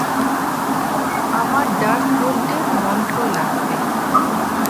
আমার ডার্কহোল্ডের মন্ত্র লাগবে।